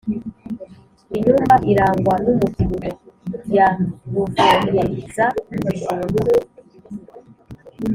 Inyumba irangwa n'umubyibuho ya ruvonyeza-bijumba,